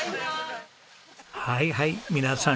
はいはい皆さん